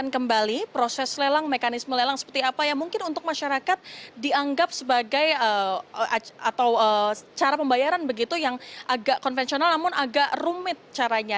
cara pembayaran begitu yang agak konvensional namun agak rumit caranya